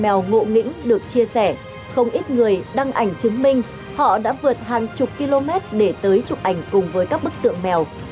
mèo ngộ nghĩnh được chia sẻ không ít người đăng ảnh chứng minh họ đã vượt hàng chục km để tới chụp ảnh cùng với các bức tượng mèo